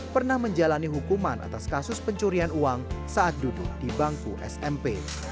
pernah menjalani hukuman atas kasus pencurian uang saat duduk di bangku smp